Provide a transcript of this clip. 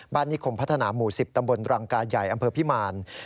นิคมพัฒนาหมู่๑๐ตำบลรังกายใหญ่อำเภอพิมาร